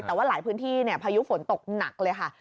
แต่ว่าหลายพื้นที่พายุฝนตกหนักเลยค่ะ